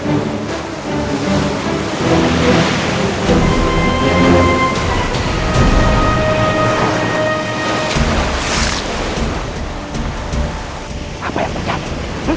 alhamdulillah raden hebat sekali